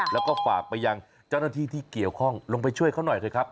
แล้วก็ฝากไปยังเจ้าหน้าที่ที่เกี่ยวข้องลงไปช่วยเขาหน่อยเถอะครับ